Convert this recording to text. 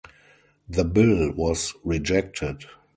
The bill was rejected.